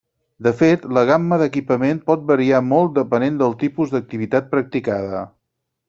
De fet, la gamma d'equipament pot variar molt depenent del tipus d'activitat practicada.